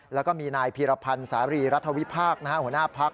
แล้วก็มีนายพีรพันธ์สารีรัฐวิพากษ์หัวหน้าพัก